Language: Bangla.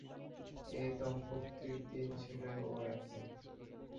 এ দম্পতির তিন ছেলে ও এক মেয়ে।